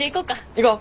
行こう！